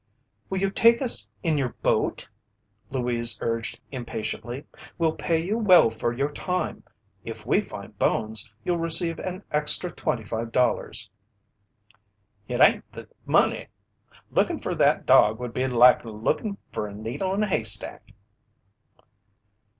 "Will you take us in your boat?" Louise urged impatiently. "We'll pay you well for your time. If we find Bones, you'll receive an extra twenty five dollars." "It hain't the money. Lookin' fer that dog would be like lookin' fer a needle in a haystack."